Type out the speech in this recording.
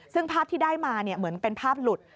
ซึ่งภาพที่ได้มาเหมือนเป็นภาพหลุด